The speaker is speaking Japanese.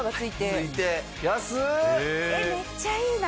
えっめっちゃいいな。